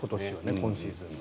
今シーズンは。